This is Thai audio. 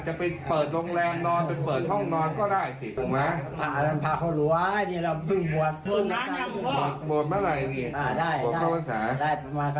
จะไปเปิดโรงแรมนอนไปเปิดห้องนอนก็ได้สิถูกไหม